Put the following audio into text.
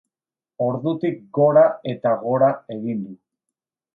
Ordutik gora eta gora egin du.